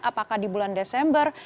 apakah di bulan desember